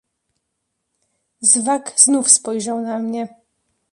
"Zwak znów spojrzał na mnie."